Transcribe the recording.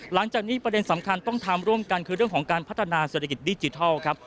หลังจากนี้ประเด็นสำคัญต้องทำร่วมกันคือเรื่องของการพัฒนาเศรษฐกิจดิจิทัลครับ